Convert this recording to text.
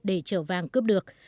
để trở vàng cướp được